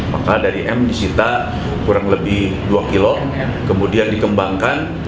maka dari m disita kurang lebih dua kilo kemudian dikembangkan